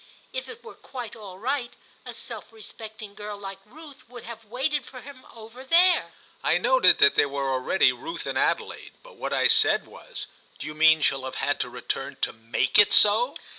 If it were quite all right a self respecting girl like Ruth would have waited for him over there." I noted that they were already Ruth and Adelaide, but what I said was: "Do you mean she'll have had to return to make it so?"